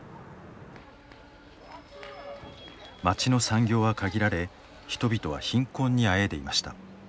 町の産業は限られ人々は貧困にあえいでいました。